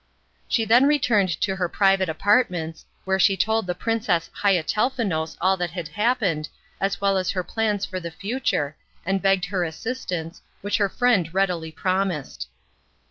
She then returned to her private apartments, where she told the Princess Haiatelnefous all that had happened, as well as her plans for the future, and begged her assistance, which her friend readily promised.